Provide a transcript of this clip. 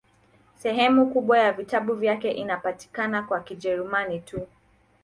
Sehemu kubwa ya vitabu vyake inapatikana kwa Kijerumani tu.